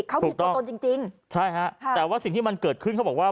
เขามีตัวตนจริงจริงใช่ฮะค่ะแต่ว่าสิ่งที่มันเกิดขึ้นเขาบอกว่า